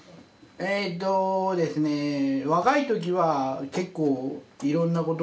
えとですね若い時は結構いろんなこと。